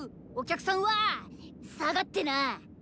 お客さんは下がってな！